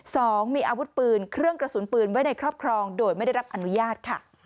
สองมีอาวุธปืนเครื่องกระสุนปืนไว้ในครอบครองโดยไม่ได้รับอนุญาตค่ะ